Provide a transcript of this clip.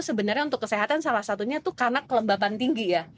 sebenarnya untuk kesehatan salah satunya itu karena kelembapan tinggi ya